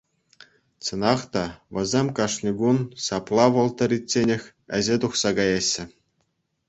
Чӑнах та весем кашни кун ҫапла вӑл тӑричченех ӗҫе тухса каяҫҫӗ.